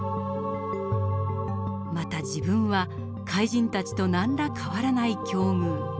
また自分は怪人たちと何ら変わらない境遇。